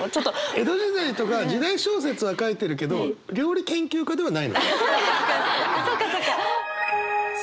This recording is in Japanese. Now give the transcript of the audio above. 江戸時代とか時代小説は書いてるけど料理研究家ではないのよ。